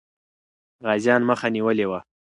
غازيان مخه نیولې وه.